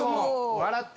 笑って！